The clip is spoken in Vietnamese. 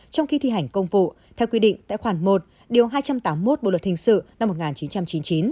trong khi thi hành công vụ theo quy định tại khoản một điều hai trăm tám mươi một bộ luật hình sự năm một nghìn chín trăm chín mươi chín